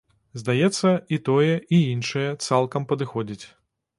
Здаецца, і тое, і іншае цалкам падыходзіць.